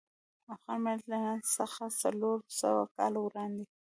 افغان ملت له نن څخه څلور سوه کاله وړاندې.